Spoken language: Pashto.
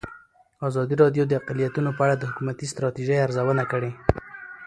ازادي راډیو د اقلیتونه په اړه د حکومتي ستراتیژۍ ارزونه کړې.